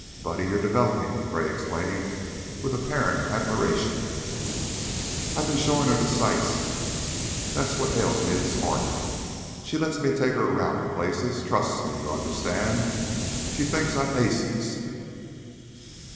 "Buddy, you're developing!" Gray exclaimed, with apparent admiration. "I been showin' her the sights that's what ails me this morning. She lets me take her around to places trusts me, you understand? She thinks I'm aces."